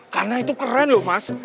karena itu keren loh mas